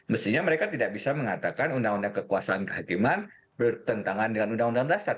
mestinya mereka tidak bisa mengatakan undang undang kekuasaan kehakiman bertentangan dengan undang undang dasar